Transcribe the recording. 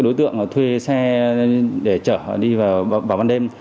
đối tượng thuê xe để chở đi vào ban đêm